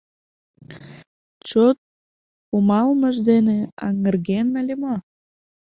Чот кумалмыж дене аҥырген ыле мо?